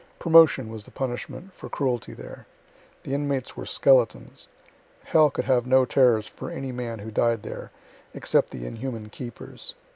Promotion was the punishment for cruelty there. The inmates were skeletons. Hell could have no terrors for any man who died there, except the inhuman keepers.'"